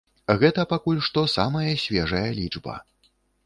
Гэта пакуль што самая свежая лічба.